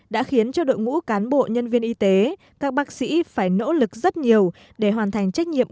đã khiến cho đội ngũ cán bộ nhân viên y tế các bác sĩ phải nỗ lực rất nhiều để hoàn thành trách nhiệm